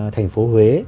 thành phố huế